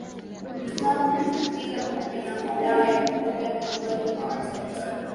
kama vile pombe na madawa ya kulevya miongoni mwa watoto